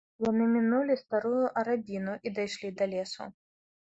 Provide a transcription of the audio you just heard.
Яны мінулі старую арабіну і дайшлі да лесу.